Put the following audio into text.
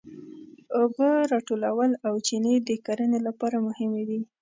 اوبه راټولول او چینې د کرنې لپاره مهمې وې.